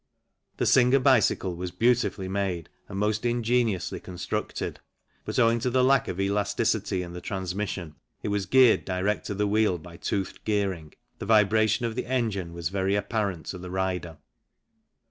The Singer bicycle was beautifully made and most ingeniously con structed, but owing to the lack of elasticity in the trans mission (it was geared direct to the wheel by toothed gearing) the vibration of the engine was very apparent to the rider.